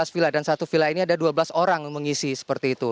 lima belas villa dan satu villa ini ada dua belas orang yang mengisi seperti itu